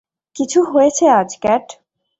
কিছু হয়েছে আজ, ক্যাট?